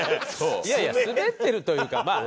いやいやスベってるというかまあ。